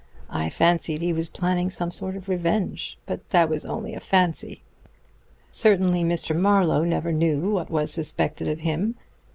I fancied he was planning some sort of revenge; but that was only a fancy. Certainly Mr. Marlowe never knew what was suspected of him.